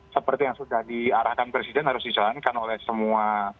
seperti yang sudah diarahkan presiden harus dijalankan oleh semua